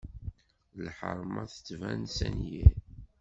Lḥeṛma tettban s anyir.